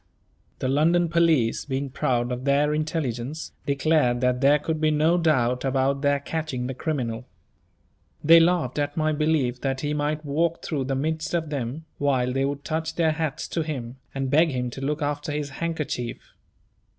The London police, being proud of their intelligence, declared that there could be no doubt about their catching the criminal. They laughed at my belief that he might walk through the midst of them, while they would touch their hats to him, and beg him to look after his handkerchief.